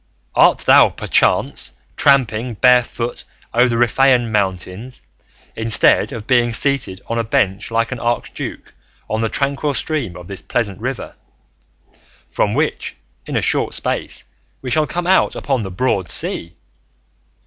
Art thou, perchance, tramping barefoot over the Riphaean mountains, instead of being seated on a bench like an archduke on the tranquil stream of this pleasant river, from which in a short space we shall come out upon the broad sea?